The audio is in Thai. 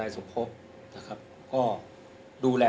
พี่มีอะไรจะถามกันไหม